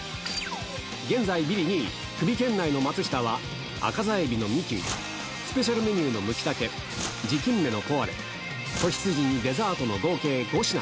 現在ビリ２位、クビ圏内の松下は、赤座海老のミキュイ、スペシャルメニューのムキタケ、地金目のポワレ、仔羊にデザートの合計５品。